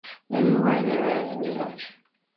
He was born and raised in Lockport, New York.